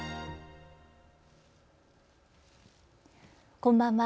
こんばんは。